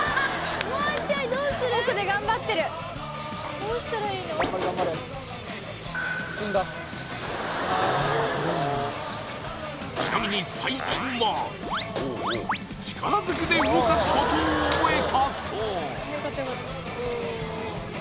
もうちょいちなみに最近は力ずくで動かすことを覚えたそう